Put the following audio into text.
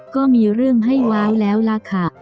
ก็มีเรื่องให้ว้าวแล้วล่ะค่ะ